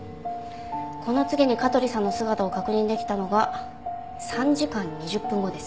この次に香取さんの姿を確認できたのが３時間２０分後です。